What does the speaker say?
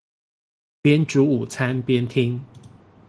邊煮午餐邊聽